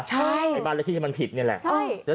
ใช่ไอ้บ้านเลขที่มันผิดเนี้ยแหละใช่